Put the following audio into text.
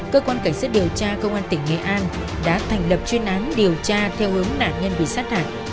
cơ quan cảnh sát điều tra công an tỉnh nghệ an đã thành lập chuyên án điều tra theo hướng nạn nhân bị sát hại